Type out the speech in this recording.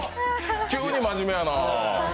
急に真面目やな。